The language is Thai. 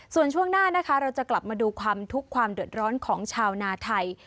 ส่วนช่วงหน้านะคะเราจะกลับมาดูความทุกข์ความเดือดร้อนของชาวนาไทย